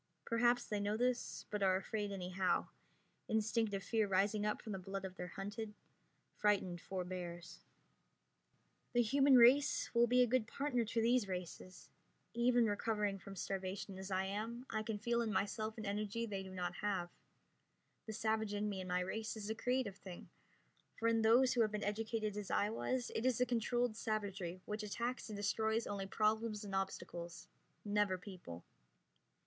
Perhaps they know this, but are afraid anyhow, instinctive fear rising up from the blood of their hunted, frightened forebears. The human race will be a good partner to these races. Even recovering from starvation as I am, I can feel in myself an energy they do not have. The savage in me and my race is a creative thing, for in those who have been educated as I was it is a controlled savagery which attacks and destroys only problems and obstacles, never people.